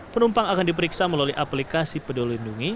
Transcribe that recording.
penumpang akan diperiksa melalui aplikasi peduli lindungi